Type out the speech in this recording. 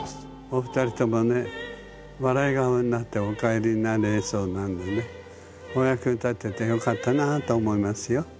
お二人ともね笑い顔になってお帰りになれそうなんでねお役に立ててよかったなあと思いますよ。